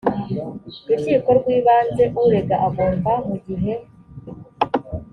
rukiko rw ibanze urega agomba mu gihe